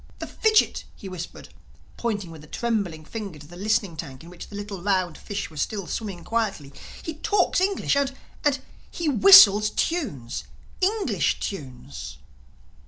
"The fidgit," he whispered, pointing with a trembling finger to the listening tank in which the little round fish was still swimming quietly, "he talks English! And—and—and he whistles tunes—English tunes!"